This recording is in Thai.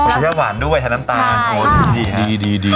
อ๋อใช้หญ้าหวานด้วยใช้น้ำตาลโอ๊ตดี